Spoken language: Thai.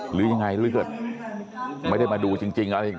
หรือยังไงหรือไม่ได้มาดูจริงแล้ว